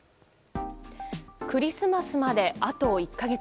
クリスマスまで、あと１か月。